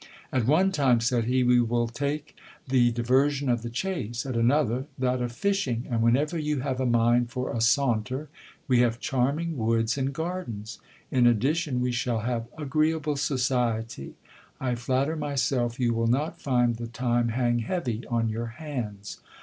At one time, said he, we will take the diversion of the chase, at another that of fishing ; and whenever you have a mind for a saunter, we have charming woods and gardens. In addition, we shall have agreeable society. I flatter myself you will not find the time hang heavy on your hands.